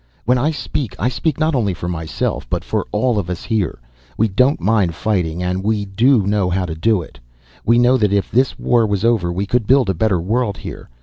When I speak, I speak not only for myself, but for all of us here. We don't mind fighting, and we know how to do it. We know that if this war was over we could build a better world here.